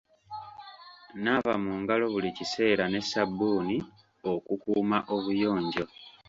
Naaba mu ngalo buli kiseera ne sabbuuni okukuuma obuyonjo.